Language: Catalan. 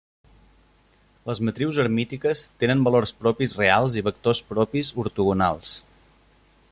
Les matrius hermítiques tenen valors propis reals i vectors propis ortogonals.